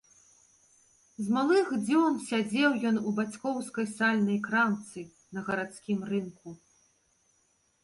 З малых дзён сядзеў ён у бацькоўскай сальнай крамцы на гарадскім рынку.